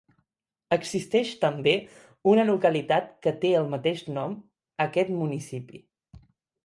Existeix també una localitat que té el mateix nom, a aquest municipi.